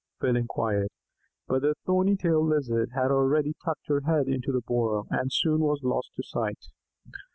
Phil inquired. But the Thorny tailed Lizard had already tucked her head into her burrow, and soon was lost to sight.